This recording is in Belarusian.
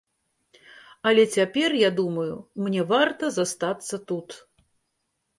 Але цяпер, я думаю, мне варта застацца тут.